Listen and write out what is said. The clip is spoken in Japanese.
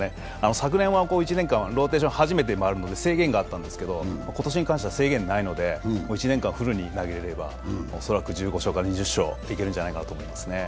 昨年は１年間ローテーション初めて回るので制限があったんですけど、今年に関しては制限がないので、１年間、フルに投げれば恐らく１５勝か２０勝いげくと思いますね。